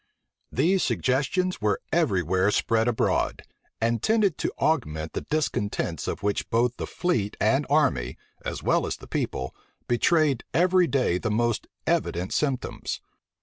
These suggestions were every where spread abroad, and tended to augment the discontents of which both the fleet and army, as well as the people, betrayed every day the most evident symptoms.